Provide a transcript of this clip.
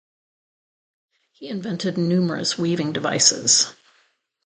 He invented numerous weaving devices.